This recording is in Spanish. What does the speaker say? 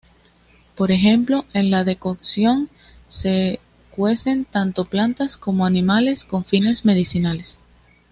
Por ejemplo, en la decocción se cuecen tanto plantas como animales con fines medicinales.